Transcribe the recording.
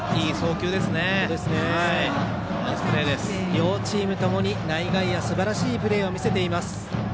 両チームともに内外野すばらしいプレーを見せています。